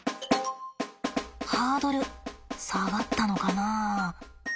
ハードル下がったのかな？